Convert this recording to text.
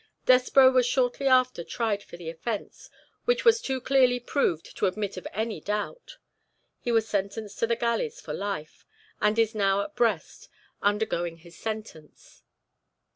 Despreau was shortly after tried for the offense, which was too clearly proved to admit of any doubt. He was sentenced to the galleys for life, and is now at Brest, undergoing his sentence.